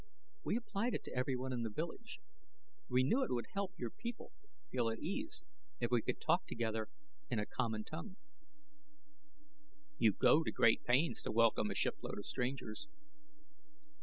"We applied it to everyone in the village. We knew it would help your people feel at ease, if we could talk together in a common tongue." "You go to great pains to welcome a shipload of strangers."